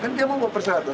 kan dia mau buat persyaratan